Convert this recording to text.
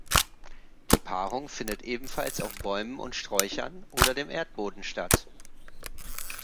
Die Paarung findet ebenfalls auf Bäumen und Sträuchern oder dem Erdboden statt.